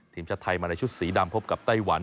ทีมชาติไทยมาในชุดสีดำพบกับไต้หวัน